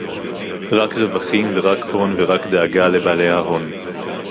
רק רווחים ורק הון ורק דאגה לבעלי ההון